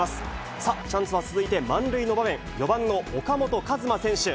さあ、チャンスは続いて満塁の場面、４番の岡本和真選手。